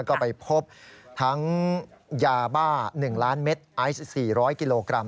ก็ไปพบทั้งยาบ้า๑ล้านเม็ดไอซ์๔๐๐กิโลกรัม